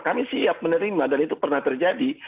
kami siap menerima dan itu pernah terjadi